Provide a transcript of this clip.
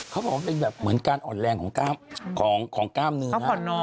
เขาบอกว่าเป็นแบบเหมือนการอ่อนแรงของกล้ามเนื้อ